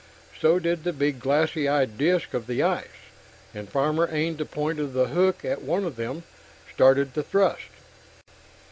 So did the big glassy red disks of the eyes and Farmer aimed the point of the hook at one of them, started to thrust.